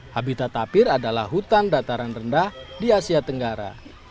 habitat tapir adalah hutan dataran rendah di asia tenggara